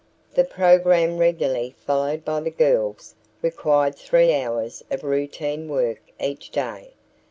The program regularly followed by the girls required three hours of routine work each day.